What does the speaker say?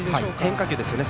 変化球ですね。